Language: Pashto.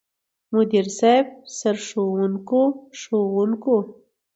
مدير صيب، سرښوونکو ،ښوونکو،